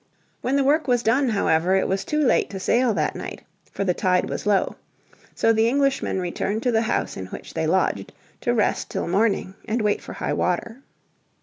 When the work was done, however, it was too late to sail that night, for the tide was low. So the Englishmen returned to the house in which they lodged, to rest till morning and wait for high water.